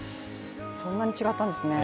そんなに違ったんですね。